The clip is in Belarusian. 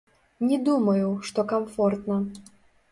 Не думаю, што камфортна.